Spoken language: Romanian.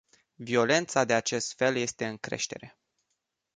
Violența de acest fel este în creștere.